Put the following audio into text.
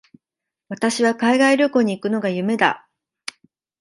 私は海外旅行に行くのが夢だ。